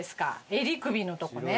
襟首のとこね。